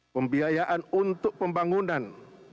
pembiayaan untuk pembangunan